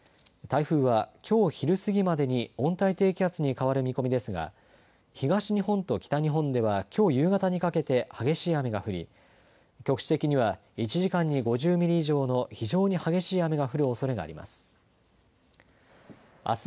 台風はきょう昼過ぎまでに、温帯低気圧に変わる見込みですが、東日本と北日本ではきょう夕方にかけて、激しい雨が降り、局地的には１時間に５０ミリ以上の非常に激しい雨が降るおそれがあります。